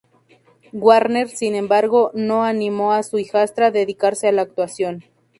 Warner, sin embargo, no animó a su hijastra a dedicarse a la actuación.